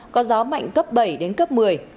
có gió mạnh cấp bảy đến cấp một mươi